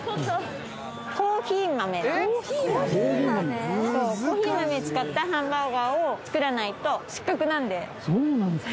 コーヒー豆使ったハンバーガーを作らないと失格なんでそうなんですか？